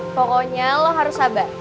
pokoknya lo harus sabar